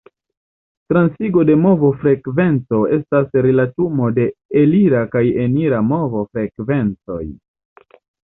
Transigo de movo-frekvenco estas rilatumo de elira kaj enira movo-frekvencoj.